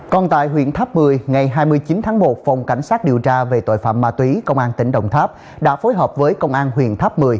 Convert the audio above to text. còn tại huyện tháp một mươi ngày hai mươi chín tháng một phòng cảnh sát điều tra về tội phạm ma túy công an tỉnh đồng tháp đã phối hợp với công an huyện tháp một mươi